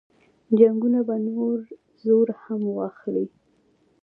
جنګونه به نور زور هم واخلي.